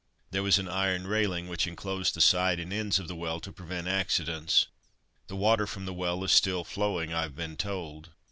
There was an iron railing which enclosed the side and ends of the well, to prevent accidents. The water from the well is still flowing, I have been told.